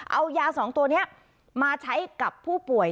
เอายา๒ตัวนี้มาใช้กับผู้ป่วย